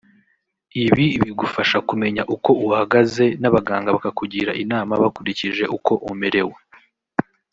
Ibi bigufasha kumenya uko uhagaze n’abaganga bakakugira inama bakurikije uko umerewe